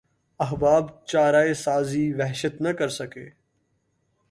احباب چارہ سازیٴ وحشت نہ کرسکے